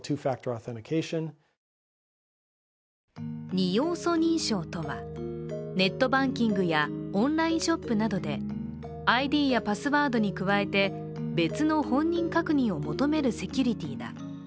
２要素認証とは、ネットバンキングやオンラインショップなどでＩＤやパスワードに加えて、別の本人確認を求めるセキュリティーだ。